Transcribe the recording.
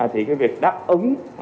thì cái việc đáp ứng